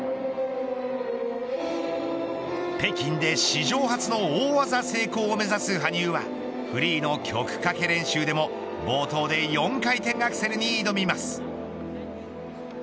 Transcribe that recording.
北京で史上初の大技成功を目指す羽生はフリーの曲かけ練習でも冒頭で４回転アクセルに挑みます。